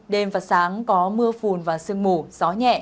đêm và sáng có mưa phùn và sương mù nhẹ